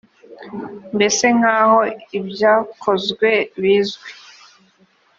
mbese nk aho ibyakozwe bizwi